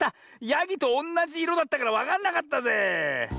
やぎとおんなじいろだったからわかんなかったぜえ。